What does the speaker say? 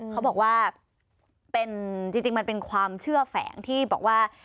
เขาบอกว่าจริงมันเป็นความเชื่อแฝงที่บอกว่า